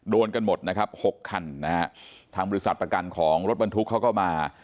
โดนกันหมดนะครับหกคันนะฮะทางบริษัทประกันของรถบรรทุกเขาก็มา